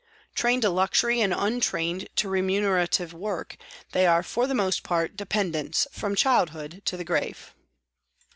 Trained to luxury and untrained to remunerative work, they are for the most part dependents from childhood to the grave.